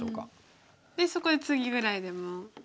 でそこでツギぐらいでも。